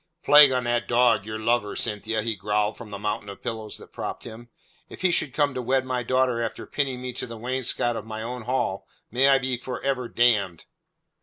"Plague on that dog, your lover, Cynthia," he growled from the mountain of pillows that propped him. "If he should come to wed my daughter after pinning me to the wainscot of my own hall may I be for ever damned."